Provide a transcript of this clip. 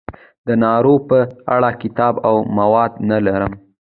د نارو په اړه کتاب او مواد نه لرم.